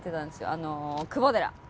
あの久保寺。